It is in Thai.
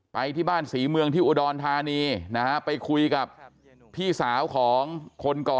ไปที่บ้านศรีเมืองที่อุดรธานีนะฮะไปคุยกับพี่สาวของคนก่อ